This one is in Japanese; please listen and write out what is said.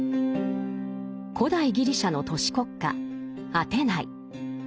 古代ギリシャの都市国家アテナイ。